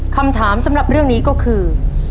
คำถามสำหรับเรื่องนี้ก็คือ